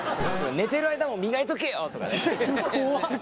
寝てる間も磨いとけよとかね。